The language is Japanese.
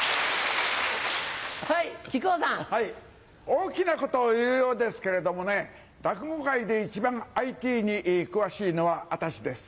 大きなことを言うようですけれどもね落語界で一番ＩＴに詳しいのは私です。